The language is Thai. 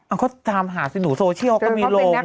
อ้าวก็ตามหาสิหนูโซเชียลก็มีลง